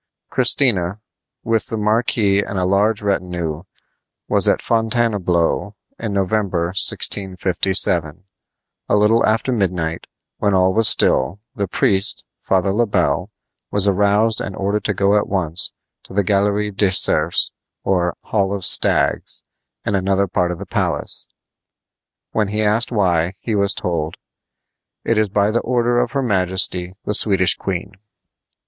Christina, with the marquis and a large retinue, was at Fontainebleau in November, 1657. A little after midnight, when all was still, the priest, Father Le Bel, was aroused and ordered to go at once to the Galerie des Cerfs, or Hall of Stags, in another part of the palace. When he asked why, he was told: "It is by the order of her majesty the Swedish queen."